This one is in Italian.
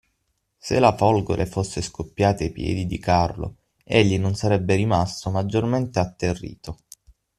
Se la folgore fosse scoppiata ai piedi di Carlo, egli non sarebbe rimasto maggiormente atterrito.